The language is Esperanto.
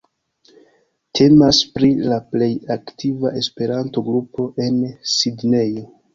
Temas pri la plej aktiva Esperanto-grupo en Sidnejo.